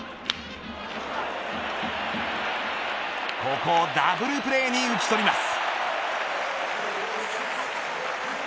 ここをダブルプレーに打ち取ります。